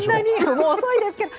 もう遅いですけど。